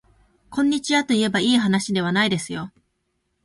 こんにちはといえばいいはなしではないですよ